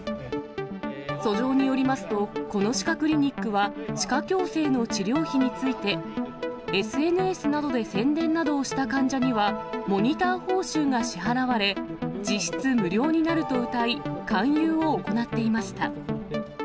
訴状によりますと、この歯科クリニックは、歯科矯正の治療費について、ＳＮＳなどで宣伝などをした患者にはモニター報酬が支払われ、実質無料になるとうたい、勧誘を行っていました。